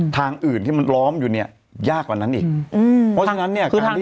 ทางอื่นที่มันล้อมอยู่เนี่ยยากกว่านั้นอีก